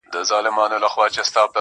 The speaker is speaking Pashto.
د ملا لوري نصيحت مه كوه .